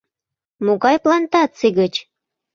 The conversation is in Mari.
Могай плантаций гыч?